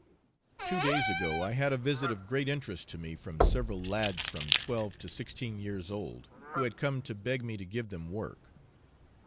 Two days ago I had a visit of great interest to me from several lads from twelve to sixteen years old, who had come to beg me to give them work.